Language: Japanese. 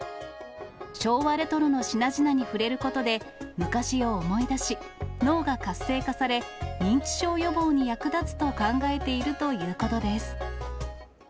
昭和レトロの品々に触れることで、昔を思い出し、脳が活性化され、認知症予防に役立つと考えているということです。